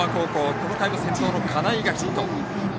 この回も先頭の金井がヒット。